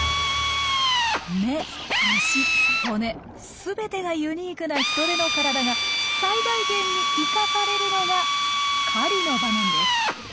目足骨すべてがユニークなヒトデの体が最大限に生かされるのが狩りの場面です。